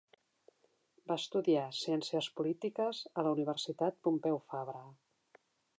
Va estudiar Ciències Polítiques a la Universitat Pompeu Fabra.